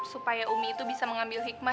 supaya umi itu bisa mengambil hikmah